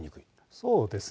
そうですね。